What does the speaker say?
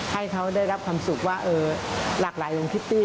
ให้เขาได้รับความสุขว่าหลากหลายหลวงพิตตี้